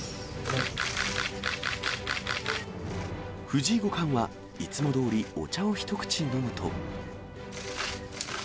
藤井五冠は、いつもどおりお茶を一口飲むと。